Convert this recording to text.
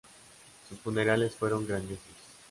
Sus funerales fueron grandiosos.